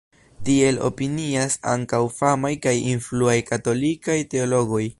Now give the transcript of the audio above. Tiel opinias ankaŭ famaj kaj influaj katolikaj teologoj.